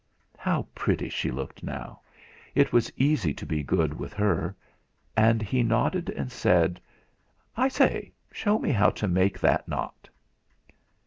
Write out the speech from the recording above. How pretty she looked now it was easy to be good with her! And he nodded and said: "I say, show me how to make that knot!"